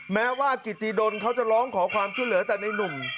แม้ว่ากิติดลเขาจะร้องขอความช่วยเหลือแต่ในนุ่ม